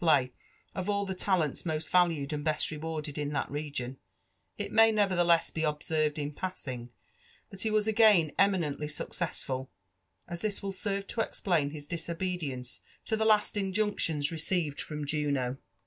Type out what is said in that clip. play of all the talents most valued and best rewarded in that region, it may nevertheless be observed in passing that he was again eminently successful, as this will serve to eiplain his disobedience to (be last fn junctions received from Juno.